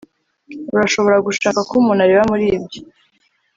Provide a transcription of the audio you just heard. urashobora gushaka ko umuntu areba muri ibyo